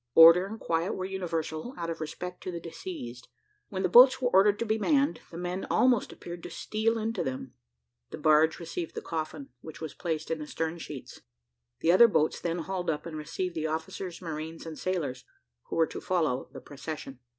Order and quiet were universal, out of respect to the deceased. When the boats were ordered to be manned, the men almost appeared to steal into them. The barge received the coffin, which was placed in the stern sheets. The other boats then hauled up, and received the officers, marines, and sailors, who were to follow the procession.